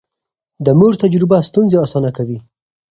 د مور تجربه ستونزې اسانه کوي.